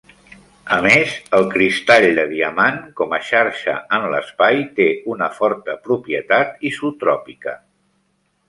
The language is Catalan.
A més, el cristall de diamant, com a xarxa en l'espai, té una forta propietat isotròpica.